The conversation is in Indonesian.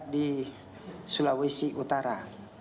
di sulawesi utara